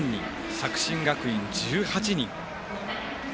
作新学院、１８人。